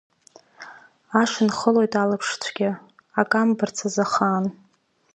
Аш нхылоит алаԥш цәгьа, ак амбарцаз ахаан.